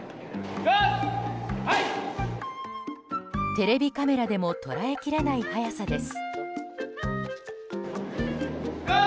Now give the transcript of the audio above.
テレビカメラでも捉えきれない速さです。